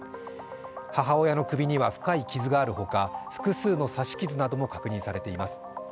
母親の首には深い傷があるほか複数の刺し傷なども確認されています。